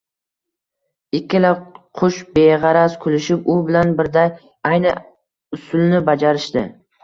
Ikkala qush beg‘araz kulishib, u bilan birday ayni usulni bajarishdi.